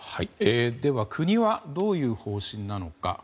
では国はどういう方針なのか。